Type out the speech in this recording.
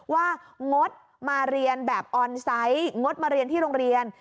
งดมาเรียนแบบออนไซต์งดมาเรียนที่โรงเรียน